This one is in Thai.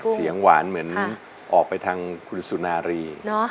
เสียงหวานเหมือนออกไปทางคุณสุนารี